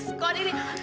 saya minta diskon ini